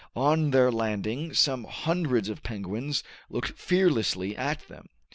On their landing some hundreds of penguins looked fearlessly at them.